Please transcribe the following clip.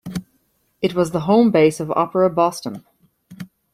It was the home base of Opera Boston.